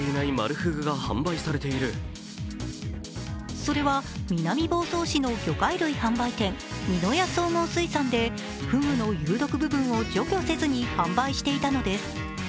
それは、南房総市の魚介類販売店・みのや総合水産でふぐの有毒部分を除去せずに販売していたのです。